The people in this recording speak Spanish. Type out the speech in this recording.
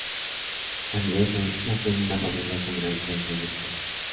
Andriessen nació en una familia con gran tradición musical.